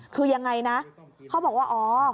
คือยังไงนะเขาบอกว่าอ๋อ